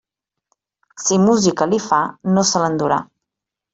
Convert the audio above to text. Si música li fa, no se l'endurà.